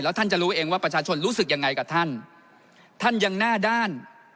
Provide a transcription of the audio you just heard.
ท่านจะรู้เองว่าประชาชนรู้สึกยังไงกับท่านท่านยังหน้าด้าน